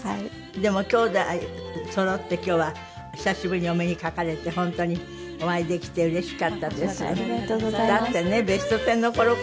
でもきょうだいそろって今日は久しぶりにお目にかかれて本当にお会いできてうれしかったです。